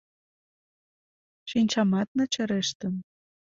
Шинчамат начарештын.